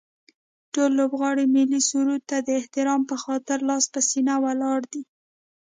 ټول لوبغاړي ملي سرود ته د احترام به خاطر لاس په سینه ولاړ دي